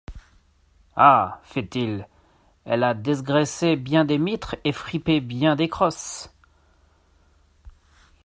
Ah! feit-il, elle ha desgressé bien des mitres et frippé bien des crosses.